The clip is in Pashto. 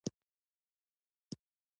آیا خوراکي توکي له ایران نه راځي؟